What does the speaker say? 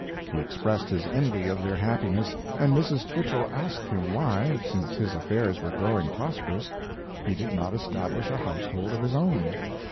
He expressed his envy of their happiness, and Mrs. Twichell asked him why, since his affairs were growing prosperous, he did not establish a household of his own.